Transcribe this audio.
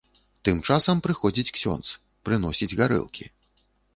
Тым часам прыходзіць ксёндз, прыносіць гарэлкі.